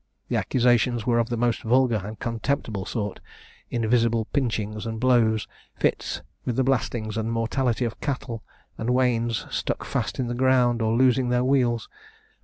The accusations were of the most vulgar and contemptible sort invisible pinchings and blows, fits, with the blastings and mortality of cattle, and wains stuck fast in the ground, or losing their wheels.